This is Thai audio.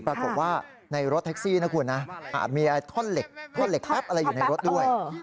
ปรากฏว่าในรถแท็กซี่นะคุณนะมีท่อนเหล็กอะไรอยู่ในรถด้วย